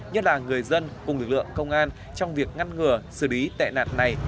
nhất là người dân cùng lực lượng công an trong việc ngăn ngừa xử lý tệ nạn này